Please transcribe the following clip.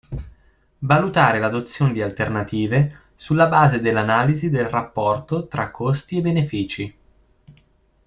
Valutare l'adozione di alternative sulla base dell'analisi del rapporto tra costi e benefici.